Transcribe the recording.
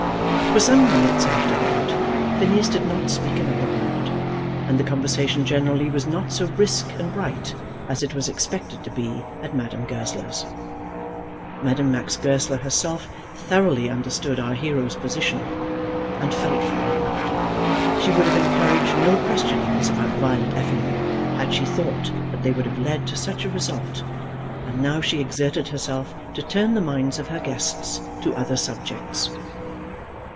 For some minutes after that Phineas did not speak another word, and the conversation generally was not so brisk and bright as it was expected to be at Madame Goesler's. Madame Max Goesler herself thoroughly understood our hero's position, and felt for him. She would have encouraged no questionings about Violet Effingham had she thought that they would have led to such a result, and now she exerted herself to turn the minds of her guests to other subjects.